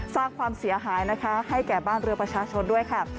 สร้างความเสียหายนะคะให้แก่บ้านเรือประชาชนด้วยค่ะ